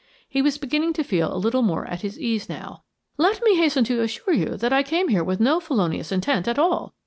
He was beginning to feel a little more at his ease now. "Let me hasten to assure you that I came here with no felonious intent at all.